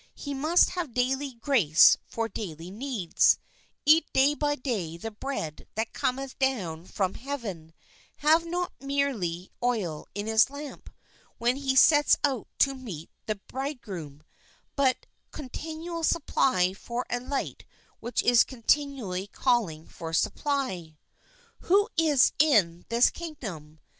He must have daily grace for daily needs ; eat day by day the Bread that cometh down from heaven ; have not merely oil in his lamp, when H he sets out to meet the Bridegroom, but con tinual supply for a light which is continually calling for supply. Who is in this Kingdom?